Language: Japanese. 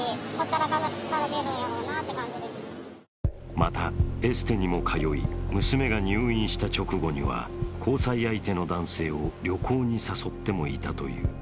また、エステにも通い、娘が入院した直後には交際相手の男性を旅行に誘ってもいたという。